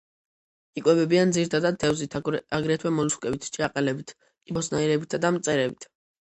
იკვებებიან ძირითადად თევზით, აგრეთვე მოლუსკებით, ჭიაყელებით, კიბოსნაირებითა და მწერებით.